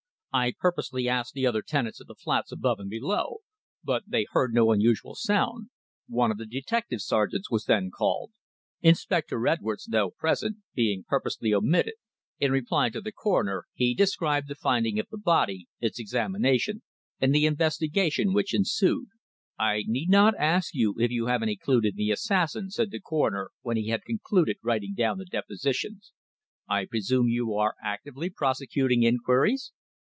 "I purposely asked the other tenants of the flats above and below. But they heard no unusual sound." One of the detective sergeants was then called; Inspector Edwards, though present, being purposely omitted. In reply to the coroner, he described the finding of the body, its examination, and the investigation which ensued. "I need not ask you if you have any clue to the assassin," said the coroner, when he had concluded writing down the depositions. "I presume you are actively prosecuting inquiries?"